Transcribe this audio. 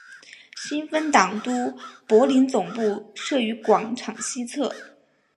新芬党都柏林总部设于广场西侧。